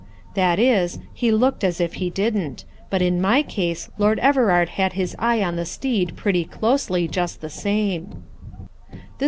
That is, he looked as if he didn't; but in my case Lord Everard has his eye on the steed pretty closely, just the same.